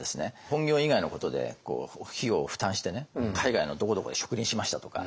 本業以外のことで費用を負担して海外のどこどこで植林しましたとか。